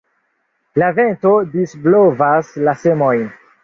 La vento disblovas la semojn.